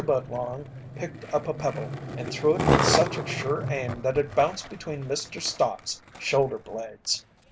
Budlong picked up a pebble and threw it with such a sure aim that it bounced between Mr. Stott's shoulder blades.